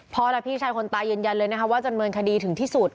และพี่ชายคนตายยืนยันเลยนะคะว่าจำเนินคดีถึงที่สุด